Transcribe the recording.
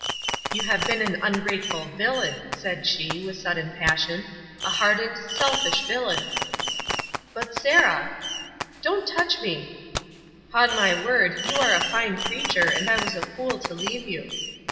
"You have been an ungrateful villain," said she, with sudden passion, "a hardened, selfish villain." "But, Sarah " "Don't touch me!" "'Pon my word, you are a fine creature, and I was a fool to leave you."